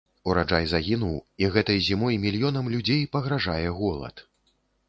Ўраджай загінуў, і гэтай зімой мільёнам людзей пагражае голад.